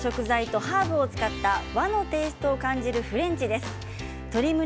今日は春の食材とハーブを使った和のテーストを感じるフレンチです。